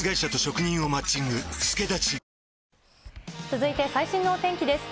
続いて最新のお天気です。